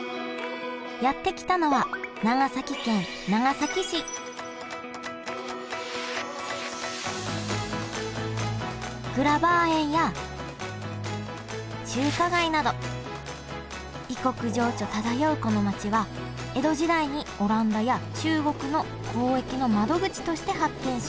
やって来たのは長崎県長崎市グラバー園や中華街など異国情緒漂うこの街は江戸時代にオランダや中国の交易の窓口として発展しました